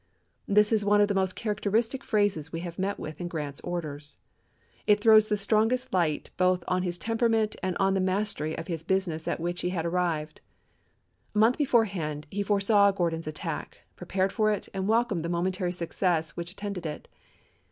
This is one of the most characteristic phrases we have met with in Grant's orders. It throws the strongest light both on his temperament and on the mastery of his business at which he had arrived. A month before hand he foresaw Gordon's attack, prepared for it, and welcomed the momentary success which at tended it.